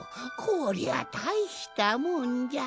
こりゃたいしたもんじゃ。